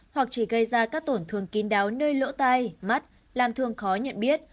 hoặc chỉ gây ra các tổn thương kín đáo nơi lỗ tay mắt làm thương khó nhận biết